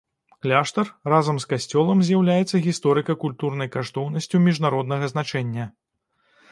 Кляштар разам з касцёлам з'яўляецца гісторыка-культурнай каштоўнасцю міжнароднага значэння.